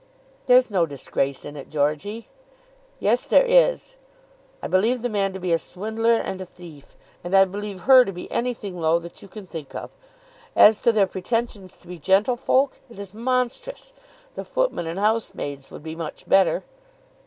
"There's no disgrace in it, Georgey." "Yes, there is. I believe the man to be a swindler and a thief; and I believe her to be anything low that you can think of. As to their pretensions to be gentlefolk, it is monstrous. The footmen and housemaids would be much better."